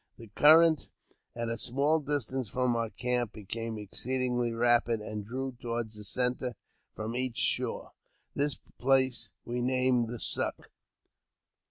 The current, at a small distance from our camp, became exceedingly rapid, and drew toward the centre from each shore. This place we named the Suck.